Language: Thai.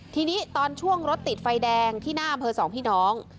ทีนี้ตอนช่วงรถติดไฟแดงที่หน้าอำเภอสองพี่น้อง